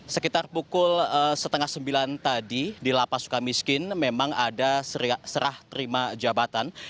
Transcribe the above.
sekitar pukul setengah sembilan tadi di lapas suka miskin memang ada serah terima jabatan